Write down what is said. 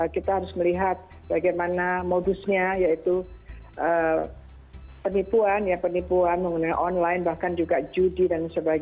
kita harus melihat bagaimana modusnya yaitu penipuan mengenai online